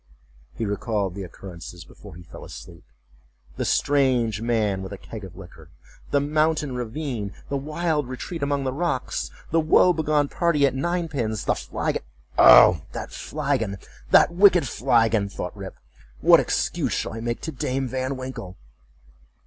He recalled the occurrences before he fell asleep. The strange man with a keg of liquor—the mountain ravine—the wild retreat among the rocks—the woe begone party at ninepins—the flagon—"Oh! that flagon! that wicked flagon!" thought Rip—"what excuse shall I make to Dame Van Winkle!"